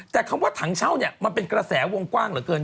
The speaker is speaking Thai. แต่คำว่าถังเช่าเนี่ยมันเป็นกระแสวงกว้างเหลือเกิน